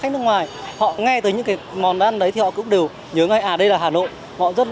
nghe tới những món ăn đấy thì họ cũng đều nhớ ngay à đây là hà nội